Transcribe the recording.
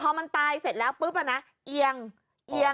พอมันตายเสร็จแล้วปุ๊บอ่ะนะเอียงเอียง